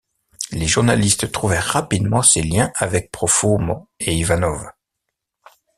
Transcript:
Les journalistes trouvèrent rapidement ses liens avec Profumo et Ivanov.